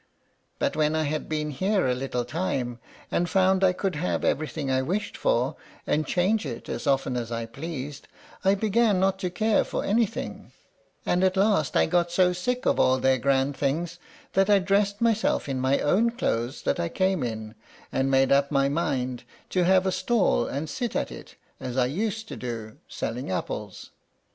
But when I had been here a little time, and found I could have everything I wished for, and change it as often as I pleased, I began not to care for anything; and at last I got so sick of all their grand things that I dressed myself in my own clothes that I came in, and made up my mind to have a stall and sit at it, as I used to do, selling apples.